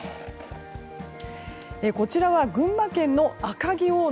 こちらは群馬県の赤城大沼。